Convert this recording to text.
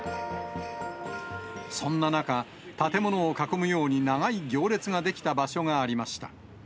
そんな中、建物を囲むように長い行列が出来た場所がありました。